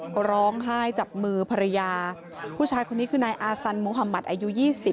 ก็ร้องไห้จับมือภรรยาผู้ชายคนนี้คือนายอาซันมุหมัติอายุ๒๐